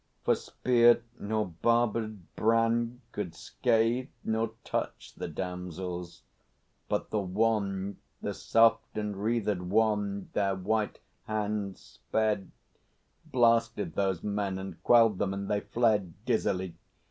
For spear nor barbèd brand Could scathe nor touch the damsels; but the Wand, The soft and wreathèd wand their white hands sped, Blasted those men and quelled them, and they fled Dizzily.